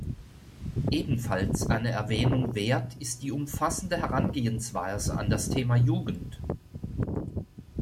Ebenfalls eine Erwähnung wert ist die umfassende Herangehensweise an das Thema Jugend.